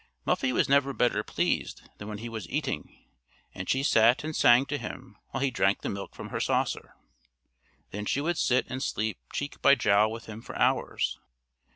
Muffie was never better pleased than when he was eating, and she sat and sang to him while he drank the milk from her saucer. Then she would sit and sleep cheek by jowl with him for hours.